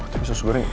tapi khusus goreng ya